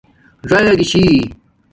ژئ گی چھی